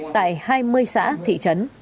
tại hai mươi xã thị trấn